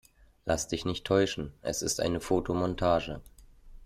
Lass dich nicht täuschen, es ist eine Fotomontage.